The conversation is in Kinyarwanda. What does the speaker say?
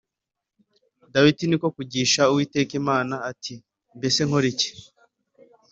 Dawidi ni ko kugisha Uwiteka inama ati Mbese nkore iki